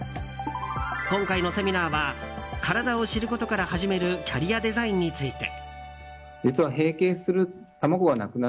今回のセミナーは体を知ることから始めるキャリアデザインについて。